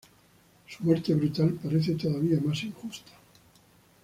Su muerte brutal parece todavía más injusta.